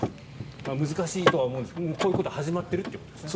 難しいとは思うんですがこういうことが始まっているということですね。